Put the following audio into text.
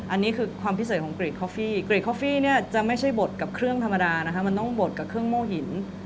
อันนี้คือความพิเศษของกรีดคอฟฟี่กรีดคอฟฟี่เนี่ยจะไม่ใช่บดกับเครื่องธรรมดานะคะมันต้องบดกับเครื่องโม่หิน